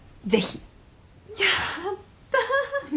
やった！